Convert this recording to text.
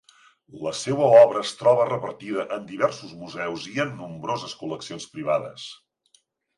La seua obra es troba repartida en diversos museus i en nombroses col·leccions privades.